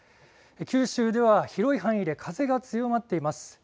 九州では広い範囲で風が強まっています。